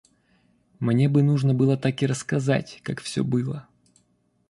Мне бы нужно было так и рассказать, как всё было.